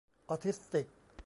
ออทิสติก